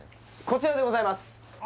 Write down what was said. こちらでございます！